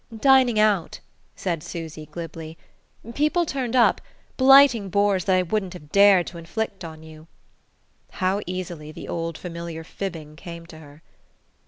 "Dining out," said Susy glibly. "People turned up: blighting bores that I wouldn't have dared to inflict on you." How easily the old familiar fibbing came to her!